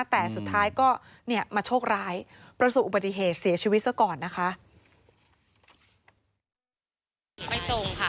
แต่สุดท้ายก็เนี่ยมาโชคร้ายประสบอุบัติเหตุเสียชีวิตซะก่อนนะคะ